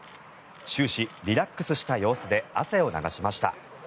終始、リラックスした様子で汗を流しました。